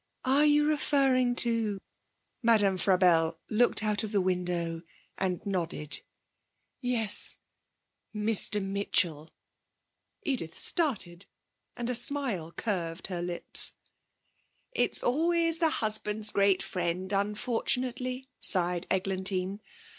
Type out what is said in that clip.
'Are you referring to ?' Madame Frabelle looked out of the window and nodded. 'Yes Mr Mitchell!' Edith started, and a smile curved her lips. 'It's always the husband's great friend, unfortunately,' sighed Eglantine.